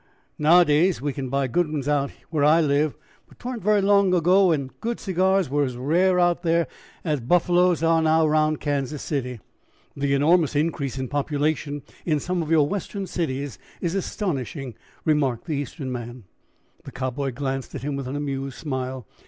"Nowadays we can buy good ones out where I live, but 'twa'n't very long ago when good cigars were as rare out there as buffaloes are now round Kansas City." "The enormous increase in population in some of your Western cities is astonishing," remarked the Eastern man. The Cowboy glanced at him with an amused smile.